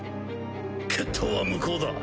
決闘は無効だ。